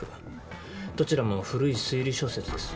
どちらも古い推理小説です。